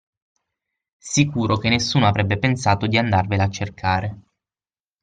Sicuro che nessuno avrebbe pensato di andarvela a cercare.